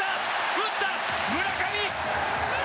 打った村上！